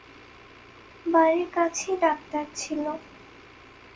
বাড়ির কাছেই ডাক্তার ছিল।